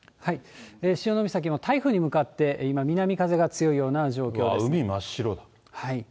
潮岬も台風に向かって、今、南風が強いような状況です。